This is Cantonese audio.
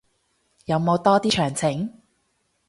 有冇多啲詳情